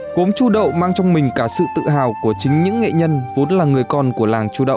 gốm chú đậu mang trong mình cả sự tự hào của chính những nghệ nhân vốn là người con của làng chú đậu